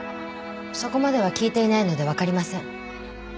そこまでは聞いていないのでわかりません。